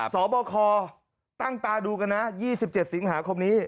สอบคอตั้งตาดูกันนะ๒๗สิงหาคมนี้